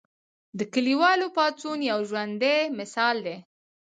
د کلیوالو پاڅون یو ژوندی مثال دی.